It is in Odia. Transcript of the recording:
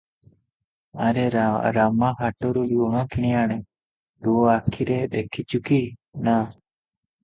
ଆରେ ରାମା ହାଟରୁ ଲୁଣ କିଣି ଆଣେ, ତୁ ଆଖିରେ ଦେଖିଛୁ କି ନା?